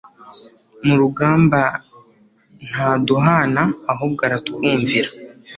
murugamba ntaduhana ahubwo aratwumvira